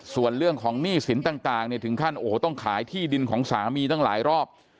ส่วนเรื่องของหนี้สินต่างเนี่ยถึงขั้นโอ้โหต้องขายที่ดินของสามีตั้งหลายรอบ